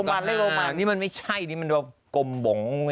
อันนี้มันไม่ใช่อันนี้ต้องดูว่ากมบน๐